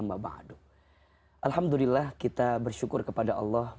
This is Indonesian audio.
alhamdulillah kita bersyukur kepada allah